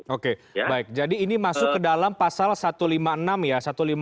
oke baik jadi ini masuk ke dalam pasal satu ratus lima puluh enam ya